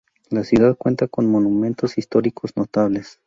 La ciudad cuenta con monumentos históricos notables.